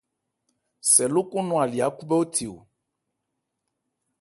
Sɛ lókɔn nɔn elí khúbhɛ́óthe.